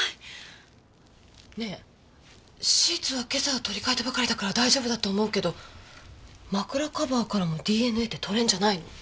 ねえシーツは今朝取り替えたばかりだから大丈夫だと思うけど枕カバーからもＤＮＡって採れるんじゃないの？